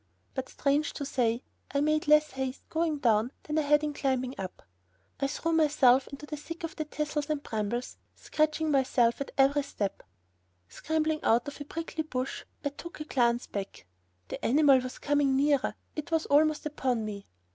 But, strange to say, I made less haste going down than I had in climbing up. I threw myself into the thick of the thistles and brambles, scratching myself at every step. Scrambling out of a prickly bush I took a glance back. The animal was coming nearer! It was almost upon me!